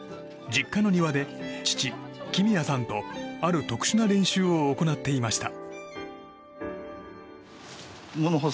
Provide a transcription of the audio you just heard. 実家の庭で、父・公弥さんとある特殊な練習を行っていました。